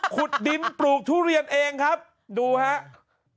ขุดดินปลูกทุเรียนเองครับดูครับ